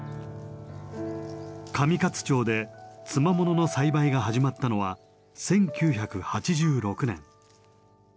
上勝町で「つまもの」の栽培が始まったのは１９８６年。